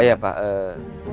oh iya pak ee